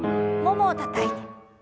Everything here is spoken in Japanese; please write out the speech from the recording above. ももをたたいて。